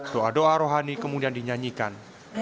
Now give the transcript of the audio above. doa doa rohani kemudian dinyanyikan